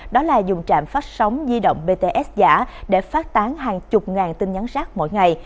đó là dùng trạm phát sóng di động bts giả để phát tán hàng chục ngàn tin nhắn rác mỗi ngày